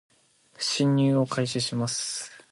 進入を開始します